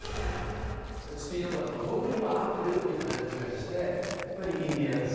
スピード感とか僕には合ってるっていう感じがしてインディアンス！